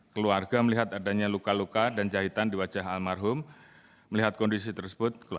keluarga melihat adanya luka luka dan jahitan di wajah almarhum melihat kondisi tersebut